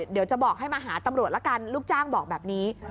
เดี๋ยวจะบอกให้มาหาตำรวจละกันลูกจ้างบอกแบบนี้